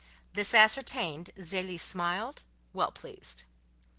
This ascertained, Zélie smiled, well pleased.